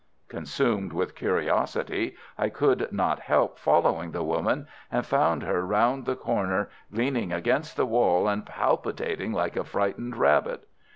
Consumed with curiosity, I could not help following the woman, and found her round the corner leaning against the wall and palpitating like a frightened rabbit.